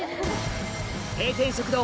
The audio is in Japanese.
定点食堂